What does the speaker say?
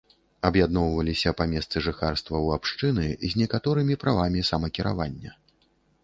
Аб'ядноўваліся па месцы жыхарства ў абшчыны з некаторымі правамі самакіравання.